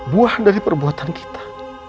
buah dari perbuatan kita